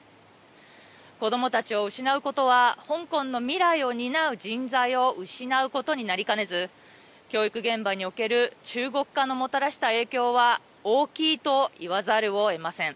子どもたちを失うことは香港の未来を担う人材を失うことになりかねず教育現場における中国化のもたらした影響は大きいと言わざるをえません。